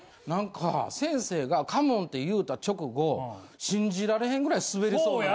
何か先生が「カモン」って言うた直後信じられへんぐらいスベりそう。